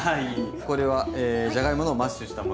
これはじゃがいものマッシュしたもの？